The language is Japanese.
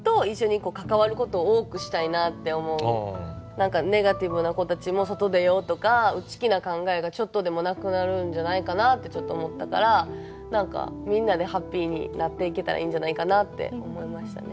何かネガティブな子たちも外出ようとか内気な考えがちょっとでもなくなるんじゃないかなってちょっと思ったから何かみんなでハッピーになっていけたらいいんじゃないかなって思いましたね。